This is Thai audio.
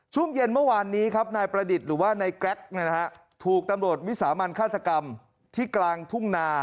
ช่วงเย็นเมื่อวานนี้ครับนายประดิษฐ์หรือว่านายแกรกถูกตำรวจวิสามันฆาตกรรมที่กลางทุ่งนา